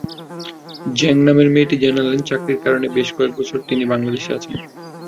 জেং নামের মেয়েটি জানালেন, চাকরির কারণে বেশ কয়েক বছর তিনি বাংলাদেশে আছেন।